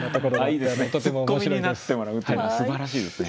ツッコミになってもらうというのはすばらしいですね。